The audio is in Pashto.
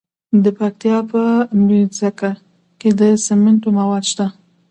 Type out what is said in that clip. د پکتیا په میرزکه کې د سمنټو مواد شته.